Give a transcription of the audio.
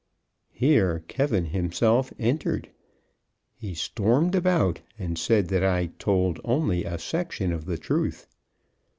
Here K himself entered. He stormed about, and said that I told only a section of the truth.